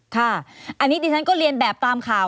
ค่ะอันนี้ดิฉันก็เรียนแบบตามข่าว